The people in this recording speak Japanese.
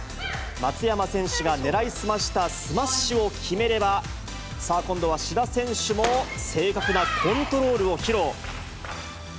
松山選手が狙い澄ましたスマッシュを決めれば、今度は志田選手も正確なコントロールを披露。